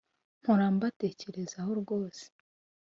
Mpora mbatekerezaho rwose